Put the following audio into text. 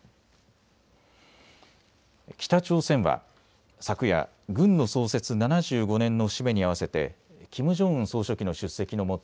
北朝鮮は昨夜、軍の創設７５年の節目に合わせてキム・ジョンウン総書記の出席のもと